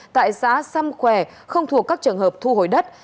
tại xã xăm khỏe không thuộc các trường hợp thu hồi đất